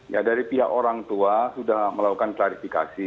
ya dari pihak orang tua sudah melakukan klarifikasi